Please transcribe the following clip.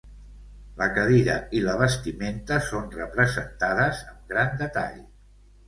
La cadira i la vestimenta són representades amb gran detall.